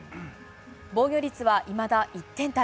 防御率はいまだ１点台。